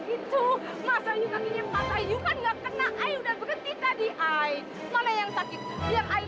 kok ga ada sih